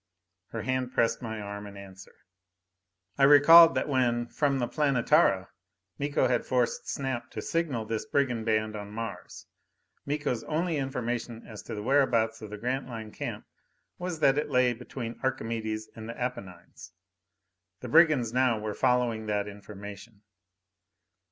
Her hand pressed my arm in answer. I recalled that when, from the Planetara, Miko had forced Snap to signal this brigand band on Mars, Miko's only information as to the whereabouts of the Grantline camp was that it lay between Archimedes and the Apennines. The brigands now were following that information.